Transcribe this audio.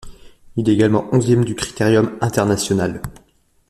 Il est également onzième du Critérium international.